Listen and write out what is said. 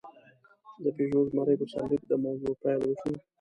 د «پيژو زمری» په سرلیک د موضوع پېل وشو.